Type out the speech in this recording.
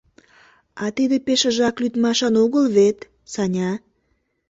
А тиде пешыжак лӱдмашан огыл вет, Саня?